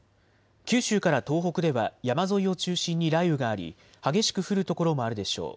九州から東北では山沿いを中心に雷雨があり、激しく降る所もあるでしょう。